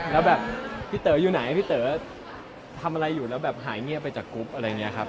แล้วแบบพี่เต๋ออยู่ไหนพี่เต๋อทำอะไรอยู่แล้วแบบหายเงียบไปจากกรุ๊ปอะไรอย่างนี้ครับ